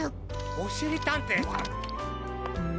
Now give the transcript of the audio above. おしりたんていさん。